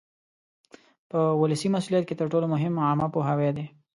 په ولسي مسؤلیت کې تر ټولو مهم عامه پوهاوی دی.